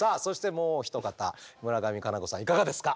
もう一方村上佳菜子さんいかがですか？